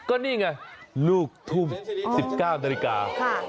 ก็นี่ไงลูกทุ่ม๑๙นาฬิกา